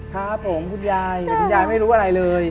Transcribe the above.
ครับผมคุณยายแต่คุณยายไม่รู้อะไรเลย